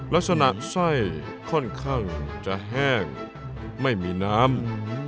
ลักษณะไส้ค่อนข้างจะแห้งไม่มีน้ำ